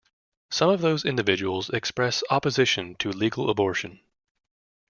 Some of those individuals express opposition to legal abortion.